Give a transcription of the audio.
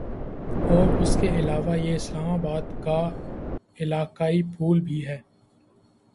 اور اس کے علاوہ یہ اسلام آباد کا علاقائی پھول بھی ہے